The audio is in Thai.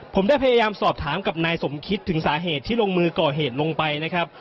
ผมได้พยายามสอบถามกับนายสมคิดถึงสาเหตุที่ลงมือก่อเหตุลงไปนะครับ